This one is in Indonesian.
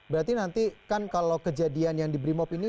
berarti nanti kan kalau kejadian yang di brimop ini